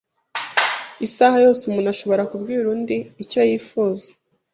isaha yose umuntu ashobora kubwira undi icyo yifuza